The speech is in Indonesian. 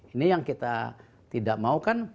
ini yang kita tidak mau kan